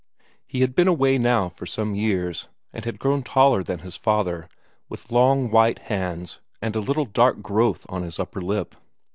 He had been away now for some years, and had grown taller than his father, with long white hands and a little dark growth on his upper lip.